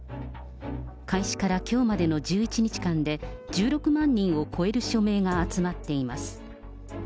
開始からきょうまでの１１日間で、１６万人を超える署名が集まっています。